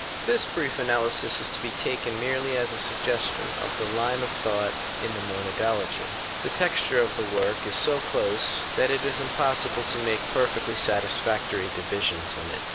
This brief analysis is to be taken merely as a suggestion of the line of thought in the Monadolonj ; the texture of the work is so close that it is impossible to make perfectly satisfactory divisions in it.